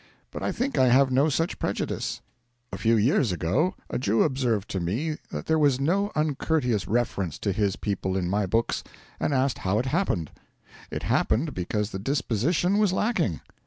But I think I have no such prejudice. A few years ago a Jew observed to me that there was no uncourteous reference to his people in my books, and asked how it happened. It happened because the disposition was lacking.